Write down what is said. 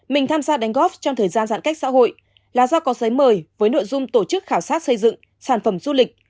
mình tham gia đánh góp trong thời gian giãn cách xã hội là do có giấy mời với nội dung tổ chức khảo sát xây dựng sản phẩm du lịch